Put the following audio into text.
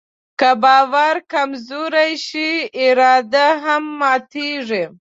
که باور کمزوری شي، اراده هم ماتيږي.